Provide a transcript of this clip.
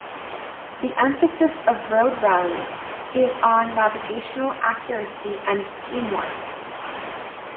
The emphasis of road rallies is on navigational accuracy and teamwork.